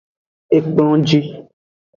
Ekplonji.